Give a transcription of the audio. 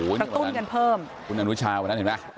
อู๋นี่คือวันนั้นคุณอนุชาวันนั้นเห็นไหมใช่ไหม